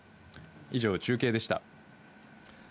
以上、中継でした。